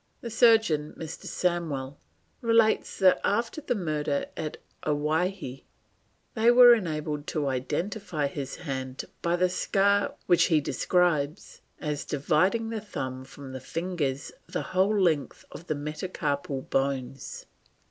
The surgeon, Mr. Samwell, relates that after the murder at Owhyee they were enabled to identify his hand by the scar which he describes as "dividing the thumb from the fingers the whole length of the metacarpal bones."